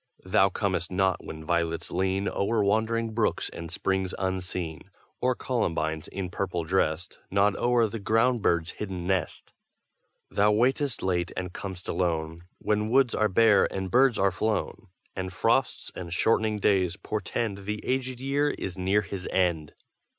Thou comest not when violets lean O'er wandering brooks and springs unseen, Or columbines, in purple dressed, Nod o'er the ground bird's hidden nest. Thou waitest late and com'st alone, When woods are bare and birds are flown, And frosts and shortening days portend The aged year is near his end.